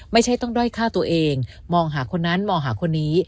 ไม่ใช่ต้องด้อยฆ่าตัวเองมองหาคนนั้นมองหาคนนี้